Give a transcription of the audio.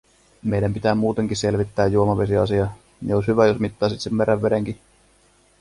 Meidän pitää muuteki selvittää juomavesiasia, ni ois hyvä, jos mittaisit meren vedenki."